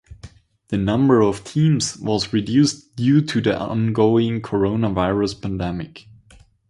The number of teams was reduced due to the ongoing Coronavirus pandemic.